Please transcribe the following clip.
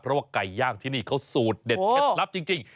เพราะว่าไก่ย่างที่นี่เขาสูตรเด็ดเคล็ดลับจริง